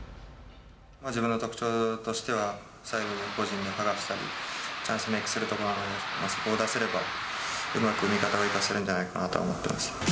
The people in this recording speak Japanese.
自分の特徴としては、サイドで個人で剥がしたり、チャンスメークするところなので、そこを出せれば、うまく味方を生かせるんじゃないかなとは思ってます。